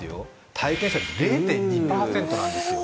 体験者０．２％なんですよ